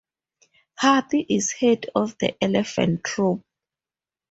Hathi is head of the elephant troop.